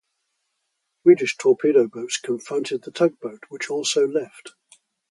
Swedish torpedo boats confronted the tugboat, which also left.